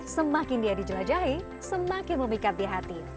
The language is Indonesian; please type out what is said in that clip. semakin dia dijelajahi semakin memikat di hati